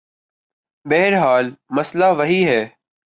بہرحال مسئلہ وہی ہے۔